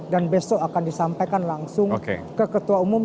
dan besok akan disampaikan langsung ke ketua umum